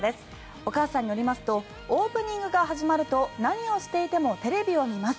お母さんによりますとオープニングが始まると何をしていてもテレビを見ます。